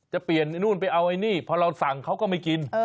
จะเปลี่ยนนู่นไปเอาไอ้นี่พอเราสั่งเขาก็ไม่กิน